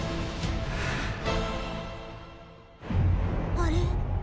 あれ？